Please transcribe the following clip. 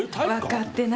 分かってないな。